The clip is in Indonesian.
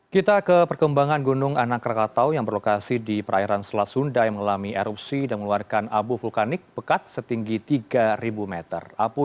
kita ke perkembangan gunung anak rakatau yang berlokasi di perairan selat sunda yang mengalami erupsi dan mengeluarkan abu vulkanik pekat setinggi tiga meter